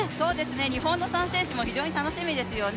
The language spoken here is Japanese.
日本の３選手も非常に楽しみですよね。